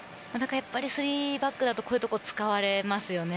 ３バックだとこういうところを使われますよね。